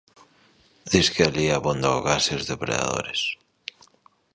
Disque alí abonda o gas e os depredadores.